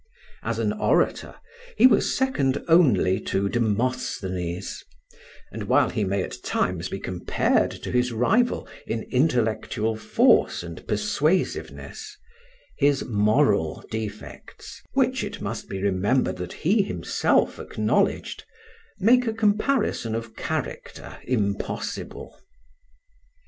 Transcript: As an orator he was second only to Demosthenes; and while he may at times be compared to his rival in intellectual force and persuasiveness, his moral defects which it must be remembered that he himself acknowledged make a comparison of character impossible.